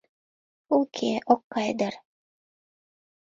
Уке, ок кае дыр?